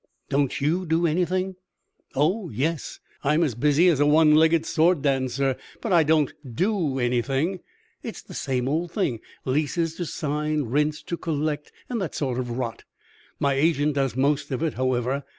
"Don't you do anything?" "Oh yes; I'm as busy as a one legged sword dancer, but I don't do anything. It's the same old thing: leases to sign, rents to collect, and that sort of rot. My agent does most of it, however.